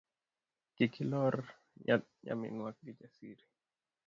Kiki lor nyaminwa Kijasiri.